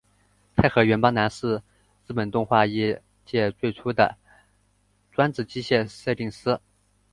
大河原邦男是日本动画业界最初的专职机械设定师。